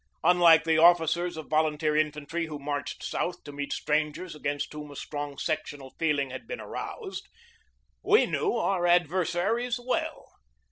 Unlike the officers of volun teer infantry who marched South to meet strangers against whom a strong sectional feeling had been aroused, we knew our adversaries well.